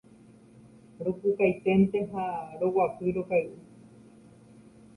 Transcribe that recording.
Ropukainténte ha roguapy rokay'u.